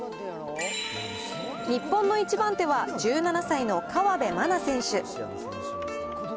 日本の一番手は１７歳の河辺愛菜選手。